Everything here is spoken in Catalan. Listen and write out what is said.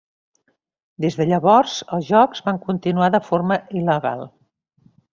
Des de llavors els jocs van continuar de forma il·legal.